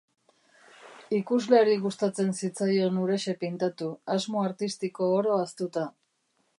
Ikusleari gustatzen zitzaion huraxe pintatu, asmo artistiko oro ahaztuta.